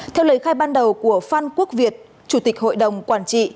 theo lời khai ban đầu của phan quốc việt chủ tịch hội đồng quản trị